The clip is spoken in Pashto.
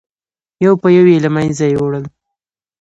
یو په یو یې له منځه یووړل.